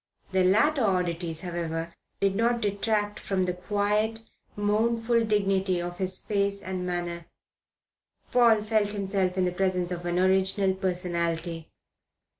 The latter oddities, however, did not detract from the quiet, mournful dignity of his face and manner. Paul felt himself in the presence of an original personality.